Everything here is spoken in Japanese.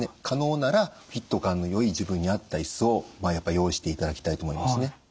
可能ならフィット感のよい自分に合ったイスを用意していただきたいと思いますね。